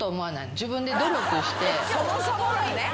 自分で努力して。